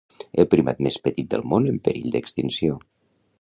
El primat més petit del món en perill d'extinció